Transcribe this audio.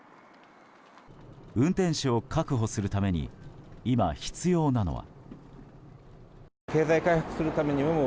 運転手を確保するために今必要なのは。